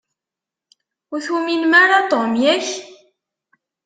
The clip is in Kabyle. Ur tuminem ara Tom, yak?